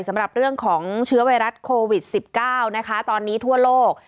สำหรับเรื่องของเชื้อไวรัสโควิด๑๙นะคะตอนนี้ทั่วโลก